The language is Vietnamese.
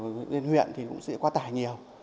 thực ra là lên huyện thì cũng sẽ qua tải nhiều